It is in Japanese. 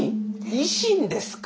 維新ですね。